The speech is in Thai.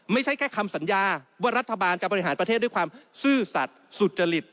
ไม่ใช่แค่คำสัญญาว่ารัฐบาลจะบริหารประเทศด้วยความซื่อสัตว์สุจริต